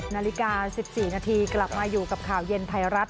นาฬิกา๑๔นาทีกลับมาอยู่กับข่าวเย็นไทยรัฐ